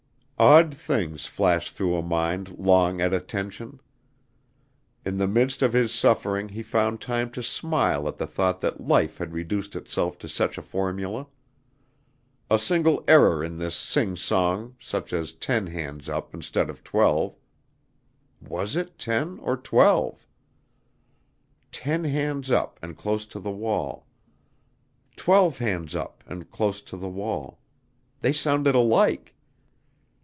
Odd things flash through a mind long at a tension. In the midst of his suffering he found time to smile at the thought that life had reduced itself to such a formula. A single error in this sing song, such as ten hands up instead of twelve, was it ten or twelve? Ten hands up and close to the wall twelve hands up and close to the wall they sounded alike.